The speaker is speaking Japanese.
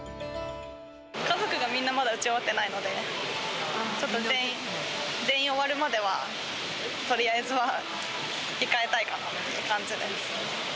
家族がみんなまだ打ち終わってないので、ちょっと全員終わるまでは、とりあえずは控えたいかなって感じです。